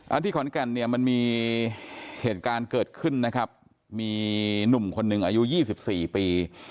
ที่ขอนแก่นเนี่ยมันมีเหตุการณ์เกิดขึ้นนะครับมีหนุ่มคนหนึ่งอายุยี่สิบสี่ปี